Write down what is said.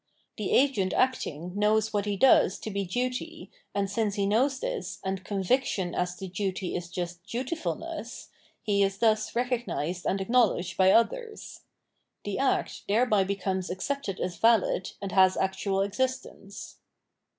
The agent acting knows what he does to be duty, and since he knows this, and conviction as to duty is just dvii fulness, he is thus recognised and acknowledged by others. The act thereby becomes accepted as valid and has actual existence.